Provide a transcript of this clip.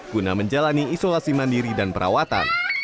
guna menjalani isolasi mandiri dan perawatan